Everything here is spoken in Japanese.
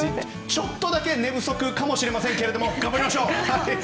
ちょっとだけ寝不足かもしれませんが頑張りましょう。